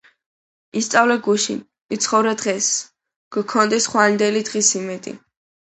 ისწავლე გუშინ, იცხოვრე დღეს, გქონდეს ხვალინდელი დღის იმედი…